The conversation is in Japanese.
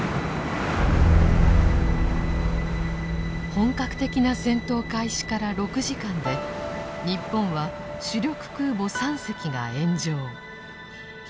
本格的な戦闘開始から６時間で日本は主力空母３隻が炎上。